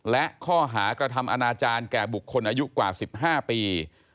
และข้อหากระทำอนาจารย์แก่บุคคลอายุกว่า๑๕ปี